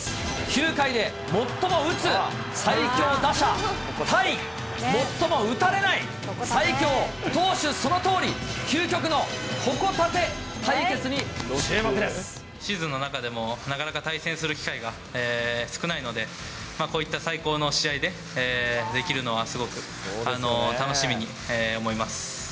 球界で最も打つ最強打者対最も打たれない最強投手、そのとおり、シーズンの中でも、なかなか対戦する機会が少ないので、こういった最高の試合でできるのはすごく楽しみに思います。